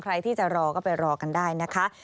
ใครที่จะรอก็ไปรอกันได้นะคะ